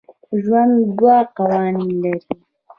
ژوند دوه قوانین لري.